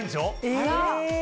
あら。